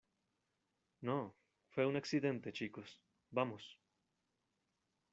No, fue un accidente , chicos. Vamos .